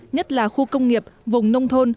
nhất là khu công nghiệp vùng nông thôn